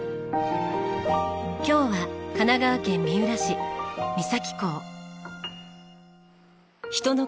今日は神奈川県三浦市三崎港。